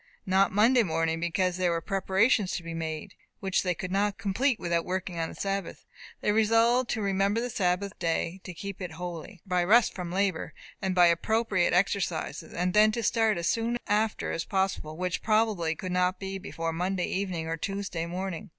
Not Monday morning, because there were preparations to be made, which they could not complete without working on the Sabbath, They resolved to "remember the Sabbath day to keep it holy," by rest from labour, and by appropriate exercises, and then to start as soon after as possible; which, probably, could not be before Monday evening or Tuesday morning.